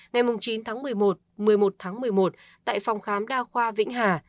ngày chín tháng một mươi một một mươi một tháng một mươi một tại phòng khám đa khoa vĩnh hà